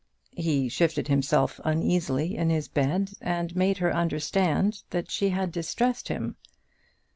He shifted himself uneasily in his bed, and made her understand that she had distressed him.